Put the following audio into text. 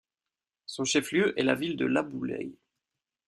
Son chef-lieu est la ville de Laboulaye.